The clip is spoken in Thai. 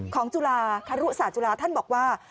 ของจุฬาคารุสาจุฬาท่านบอกว่า